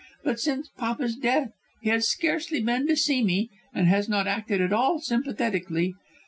But since papa's death he has scarcely been to see me and has not acted at all sympathetically.